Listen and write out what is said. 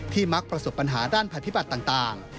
ที่มักประสบปัญหาด้านปฏิบัติต่าง